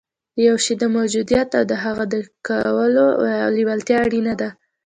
د یوه شي د موجودیت او د هغه د کولو لېوالتیا اړینه ده